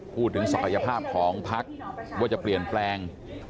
พูดถึงศาลยภาพของภักดิ์ว่าจะเปลี่ยนแปลง